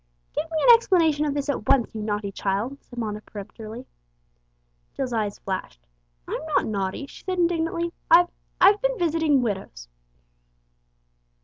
"Give me an explanation of this at once, you naughty child," said Mona peremptorily. Jill's eyes flashed. "I'm not naughty," she said indignantly; "I've I've been visiting widows."